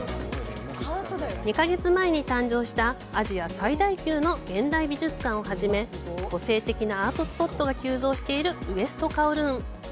２か月前に誕生したアジア最大級の現代美術館をはじめ、個性的なアートスポットが急増している西九龍。